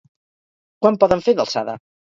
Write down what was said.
Quant poden fer d'alçada?